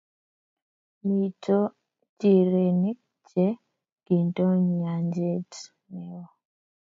mito nchirenik che kinton nyanjet neoo